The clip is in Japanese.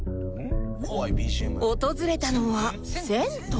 訪れたのは銭湯